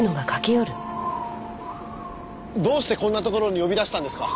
どうしてこんな所に呼び出したんですか？